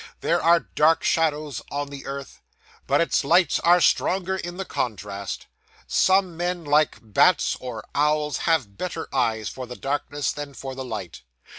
There are dark shadows on the earth, but its lights are stronger in the contrast. Some men, like bats or owls, have better eyes for the darkness than for the light.